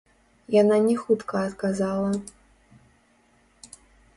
Яна не хутка адказала.